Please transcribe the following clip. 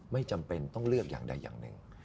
ไม่จำเป็นต้องเลือกอย่างใดอย่างหนึ่ง